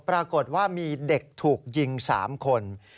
ปรากฏว่ามีเด็กถูกยิง๓คน